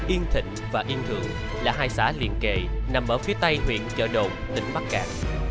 yên thịnh và yên thượng là hai xã liên kề nằm ở phía tây huyện chợ đồn tỉnh bắc cạn